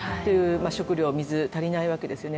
食料、水、足りないわけですよね。